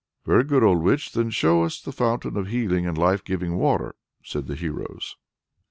"Very good, old witch! Then show us the fountain of healing and life giving water!" said the heroes.